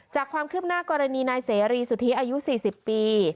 จากความคืบหน้ากรณีนายเสรีสุธิอายุ๔๐ปี